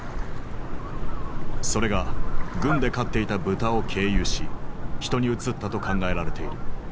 それが軍で飼っていた豚を経由し人にうつったと考えられている。